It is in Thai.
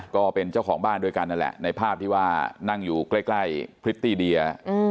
ก็เป็นเจ้าของบ้านด้วยกันนั่นแหละในภาพที่ว่านั่งอยู่ใกล้พริตตี้เดีย